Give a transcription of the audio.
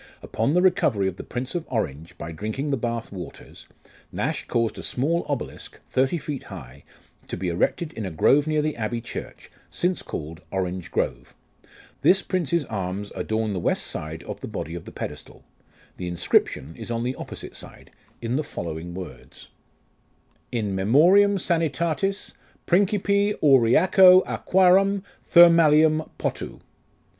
Upon the recovery of the Prince of Orange, by drinking the Bath waters, Nash caused a small obelisk, thirty feet high, to be erected in a grove near the Abbey church, since called Orange Grove. This Prince's arms adorn the west side of the body of the pedestal. The inscription is on the opposite side, in the following words : 1 Gray's Elegy in a Country Churchyard. o2 84 LIFE OF RICHARD NASH. " In memoriam sanitatis Principi Auriaco Aquarum thermalium potu.